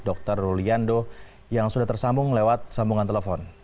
dr rulian do yang sudah tersambung lewat sambungan telepon